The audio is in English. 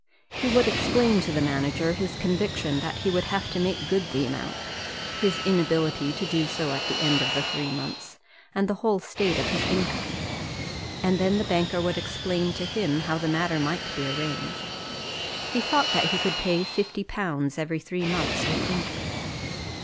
He would explain to the manager his conviction that he would have to make good the amount, his inability to do so at the end of the three months, and the whole state of his income; and then the banker would explain to him how the matter might be arranged. He thought that he could pay £50 every three months with interest.